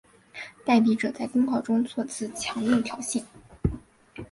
代笔者在公告中措辞强硬挑衅。